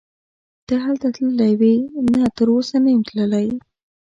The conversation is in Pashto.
ته هلته تللی وې؟ نه تراوسه نه یم تللی.